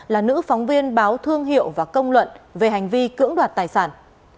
là nữ phóng viên báo thương hiệu và công luận về hành vi cưỡng đoạt tài sản